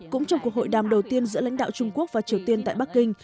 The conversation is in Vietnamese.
cũng trong cuộc hội đàm đầu tiên giữa lãnh đạo trung quốc và triều tiên tại bắc kinh